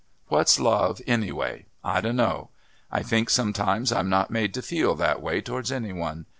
What's love, anyway? I dunno. I think sometimes I'm not made to feel that way towards any one.